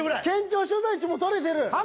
県庁所在地も取れてる！